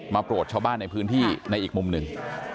โกรธชาวบ้านในพื้นที่ในอีกมุมหนึ่ง